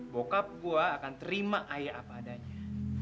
bokap gue akan terima ayah apa adanya